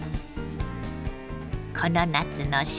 この夏の新定番！